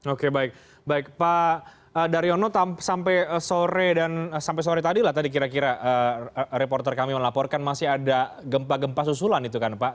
oke baik baik pak daryono sampai sore dan sampai sore tadi lah tadi kira kira reporter kami melaporkan masih ada gempa gempa susulan itu kan pak